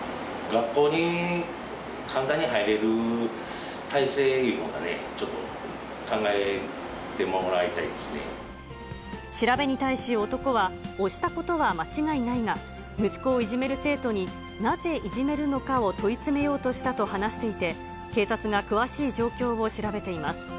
学校に簡単に入れる体制いうもんがね、ちょっと考えてもらいたい調べに対し、男は、押したことは間違いないが、息子をいじめる生徒に、なぜいじめるのかを問い詰めようとしたと話していて、警察が詳しい状況を調べています。